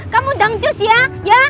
kamu dangcus ya ya